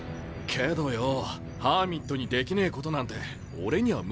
けどよぉハーミットにできねえことなんて俺には無理だぜ。